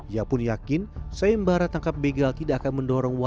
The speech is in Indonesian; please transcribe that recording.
ia pun yakin sayembara tangkap begal tidak akan mendorong warga